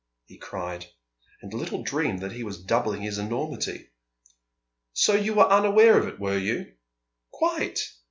he cried; and little dreamed that he was doubling his enormity. "So you were unaware of it, were you?" "Quite!"